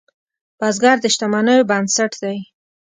بزګر د شتمنیو بنسټ دی